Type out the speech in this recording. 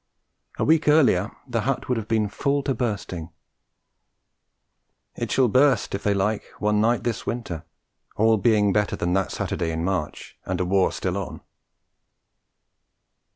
A week earlier the hut would have been full to bursting; it shall burst if they like one night this winter all being better than that Saturday in March and a war still on!